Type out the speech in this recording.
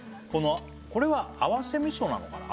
これは合わせ味噌なのかな？